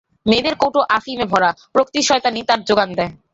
মেয়েদের কৌটো আফিমে ভরা, প্রকৃতি-শয়তানী তার জোগান দেয়।